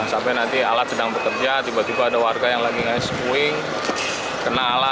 sampai nanti alat sedang bekerja tiba tiba ada warga yang lagi ngasih puing kena alat